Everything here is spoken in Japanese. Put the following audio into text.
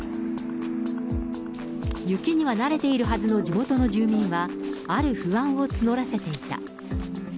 雪には慣れているはずの地元の住民はある不安を募らせていた。